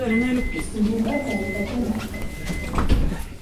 ლუკა დაიბადა მარსელში.